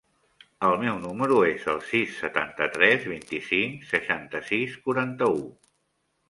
El meu número es el sis, setanta-tres, vint-i-cinc, seixanta-sis, quaranta-u.